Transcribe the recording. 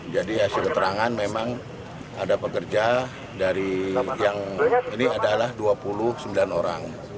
jadi hasil keterangan memang ada pekerja dari yang ini adalah dua puluh sembilan orang